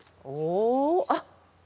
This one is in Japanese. あっ！